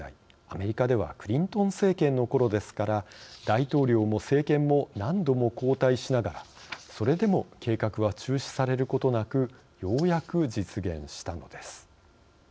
アメリカではクリントン政権の頃ですから大統領も政権も何度も交代しながらそれでも計画は中止されることなくようやく実現したのです。